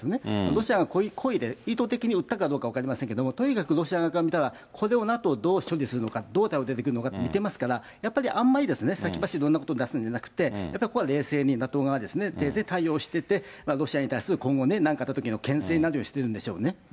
ロシアが故意で、意図的に打ったかどうかわかりませんけど、とにかくロシア側から見たらこれをＮＡＴＯ、どう対処するのか、どう対応が出てくるのかって見てますから、やっぱりあんまり先走っていろんなことを出すんじゃなくて、ここは冷静にＮＡＴＯ側が冷静に対応してて、ロシアに対する今後、何かあったときのけん制にしてるんでしょうね。